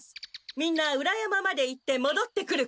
みんなうら山まで行ってもどってくること。